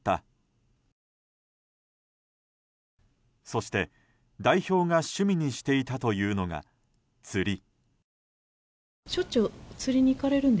そして、代表が趣味にしていたというのが釣り。